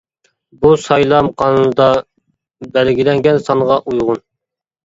بۇ سايلام قانۇنىدا بەلگىلەنگەن سانغا ئۇيغۇن.